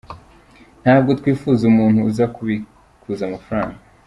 Ntabwo twifuza umuntu uza kubikuza amafaranga.